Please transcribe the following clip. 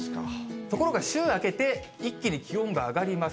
ところが週明けて、一気に気温が上がります。